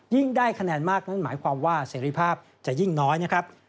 ได้คะแนนมากนั่นหมายความว่าเสรีภาพจะยิ่งน้อยนะครับ